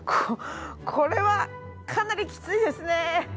これはかなりきついですね。